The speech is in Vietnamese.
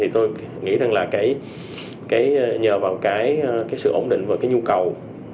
tôi nghĩ là nhờ vào sự ổn định và nhu cầu